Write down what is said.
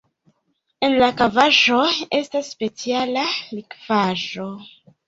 En la kavaĵo estas speciala likvaĵo.